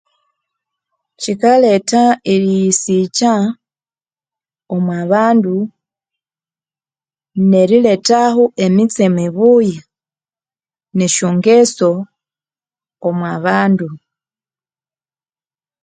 Kikaletha eriyisikya omwabandu emitsemibuya nesyangeao o.wabandu